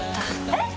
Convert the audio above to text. えっ！！